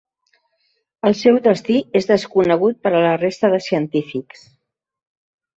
El seu destí és desconegut per a la resta de científics.